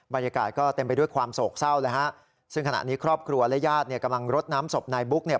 บรรยากาศก็เต็มไปด้วยความโศกเศร้าเลยฮะซึ่งขณะนี้ครอบครัวและญาติเนี่ยกำลังรดน้ำศพนายบุ๊กเนี่ย